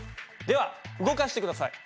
では動かして下さい。